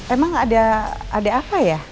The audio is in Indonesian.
emang ada apa ya